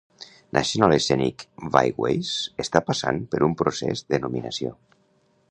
National Scenic Byways està passant per un procès de nominació.